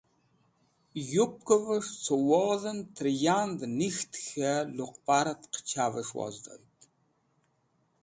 Yupkẽves̃h cẽ wodhẽn tẽr yand nik̃ht k̃hẽ luqparẽt qẽchvẽs̃h wozdoyd.